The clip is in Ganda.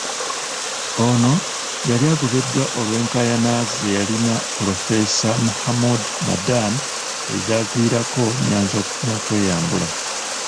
Ono yali agobeddwa olw'enkayaana ze yalina Pulofeesa Mahmood Mamdani ezaaviirako Nnyanzi n'okweyambula.